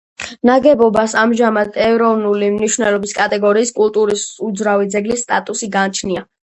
ნაგებობას ამჟამად ეროვნული მნიშვნელობის კატეგორიის კულტურის უძრავი ძეგლის სტატუსი გააჩნია.